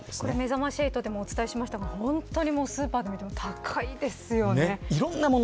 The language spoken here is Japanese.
めざまし８でもお伝えしましたが、本当にスーパーに行っても高いですよね。